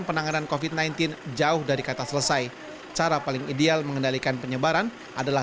penanganan kofit sembilan belas jauh dari kata selesai cara paling ideal mengendalikan penyebaran adalah